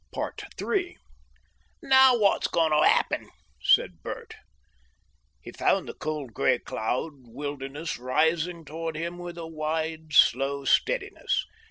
3 "NOW what's going to 'appen?" said Bert. He found the cold, grey cloud wilderness rising towards him with a wide, slow steadiness.